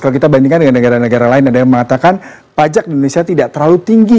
kalau kita bandingkan dengan negara negara lain ada yang mengatakan pajak di indonesia tidak terlalu tinggi